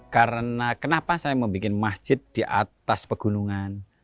karena kenapa saya membuat masjid di atas pegunungan